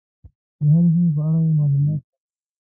د هرې سیمې په اړه یې معلومات راکول.